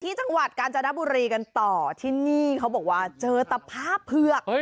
จังหวัดกาญจนบุรีกันต่อที่นี่เขาบอกว่าเจอตะภาพเผือก